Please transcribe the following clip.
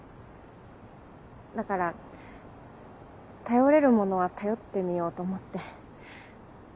だから頼れるものは頼ってみようと思って。